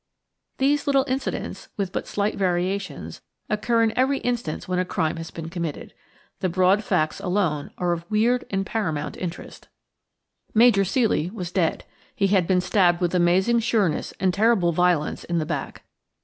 These little incidents, with but slight variations, occur in every instance when a crime has been committed. The broad facts alone are of weird and paramount interest. Major Ceely was dead. He had been stabbed with amazing sureness and terrible violence in the back.